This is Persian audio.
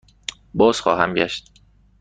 بازخواهم گشت.